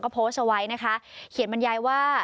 ก็โพสต์เอาไว้นะคะเขียนบรรยายว่า